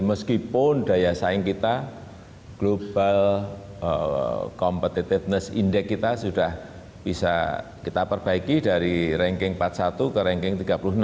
meskipun daya saing kita global competitiveness index kita sudah bisa kita perbaiki dari ranking empat puluh satu ke ranking tiga puluh enam